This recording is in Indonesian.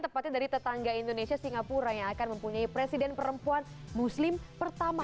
tepatnya dari tetangga indonesia singapura yang akan mempunyai presiden perempuan muslim pertama